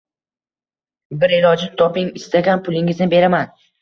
Bir ilojini toping, istagan pulingizni beraman…